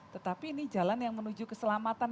tetapi ini jalan yang menuju keselamatan